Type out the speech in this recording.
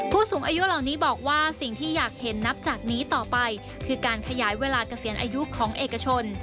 ผู้สูงอายุเหล่านี้บอกว่าสิ่งที่อยากเห็นนับจากนี้ต่อไปคือการขยายเวลาเกษียณอายุของเอกชน